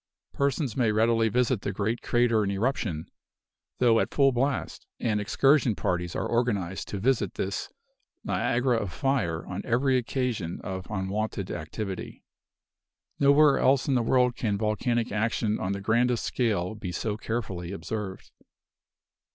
Persons may readily visit the great crater in eruption, though at full blast; and excursion parties are organized to visit this "Niagara of fire" on every occasion of unwonted activity. Nowhere else in the world can volcanic action on the grandest scale be so carefully observed.